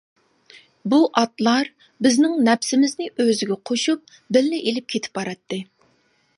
بۇ ئاتلار بىزنىڭ نەپسىمىزنى ئۆزىگە قوشۇپ بىللە ئېلىپ كېتىپ باراتتى.